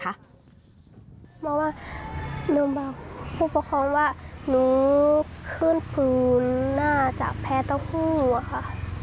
เพราะว่าน้องบางผู้ประคองว่านูขึ้นฟื้นน่าจะแพ้ต้องกลัวค่ะ